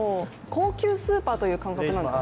高級スーパーという感覚なんですか？